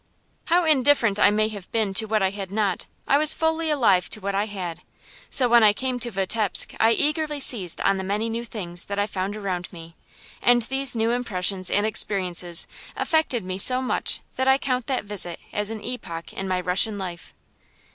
However indifferent I may have been to what I had not, I was fully alive to what I had. So when I came to Vitebsk I eagerly seized on the many new things that I found around me; and these new impressions and experiences affected me so much that I count that visit as an epoch in my Russian life.